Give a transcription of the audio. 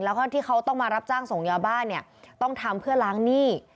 แล้วก็ที่เขาต้องมารับจ้างส่งยาบ้านเนี่ยต้องทำเพื่อล้างหนี้